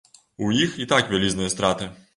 У іх і так вялізныя страты.